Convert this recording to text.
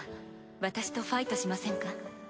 私とファイトしませんか？